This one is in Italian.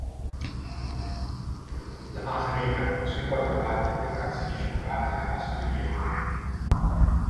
La base reca, sui quattro lati, decorazioni figurate a bassorilievo.